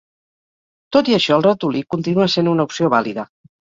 Tot i això, el ratolí continua sent una opció vàlida.